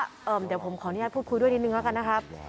เดี๋ยวผมขออนุญาตพูดคุยด้วยนิดนึงแล้วกันนะครับ